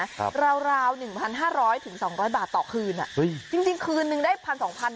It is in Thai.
ครับราวราวหนึ่งพันห้าร้อยถึงสองร้อยบาทต่อคืนอ่ะเฮ้ยจริงจริงคืนนึงได้พันสองพัน